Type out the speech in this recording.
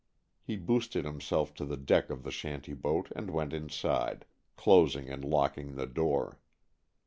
He boosted himself to the deck of the shanty boat and went inside, closing and locking the door.